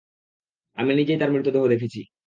আমি নিজেই তার মৃত দেহ দেখেছি।